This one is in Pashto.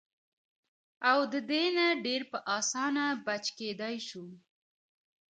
او د دې نه ډېر پۀ اسانه بچ کېدے شو -